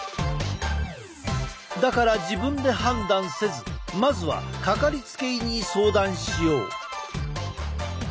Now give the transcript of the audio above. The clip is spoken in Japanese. だから自分で判断せずまずは掛かりつけ医に相談しよう。